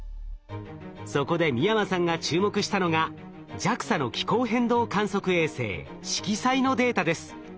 そこで美山さんが注目したのがＪＡＸＡの気候変動観測衛星しきさいのデータです。